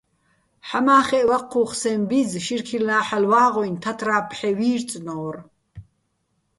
ჰ̦ამა́ხეჸ ვაჴჴუ́ხ სეჼ ბი́ძ შირქილნა́ ჰ̦ალო̆ ვა́ღუჲნი̆ თათრა́ ფჰ̦ე ვი́რწნო́რ.